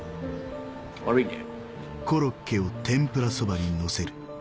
悪いね。